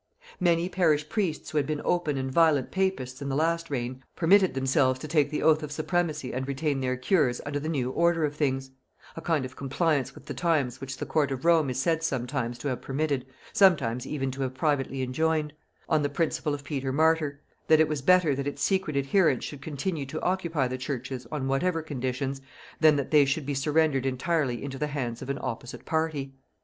Many parish priests who had been open and violent papists in the last reign, permitted themselves to take the oath of supremacy and retain their cures under the new order of things, a kind of compliance with the times which the court of Rome is said sometimes to have permitted, sometimes even to have privately enjoined, on the principle of Peter Martyr, that it was better that its secret adherents should continue to occupy the churches, on whatever conditions, than that they should be surrendered entirely into the hands of an opposite party.